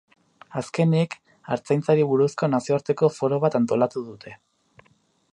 Azkenik, artzaintzari buruzko nazioarteko foro bat antolatu dute.